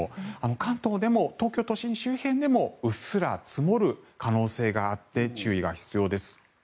関東でも、東京都心周辺でもうっすら積もる可能性があって注意が必要です。